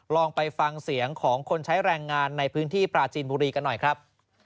ลองไปฟังเสียงของคนใช้แรงงานในพื้นที่ปราจีนบุรีกันหน่อยครับ